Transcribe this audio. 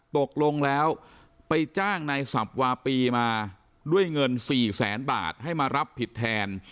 ตกลงแล้วไปจ้างนายสับวาปีมาด้วยเงิน๔แสนบาทให้มารับผิดแทน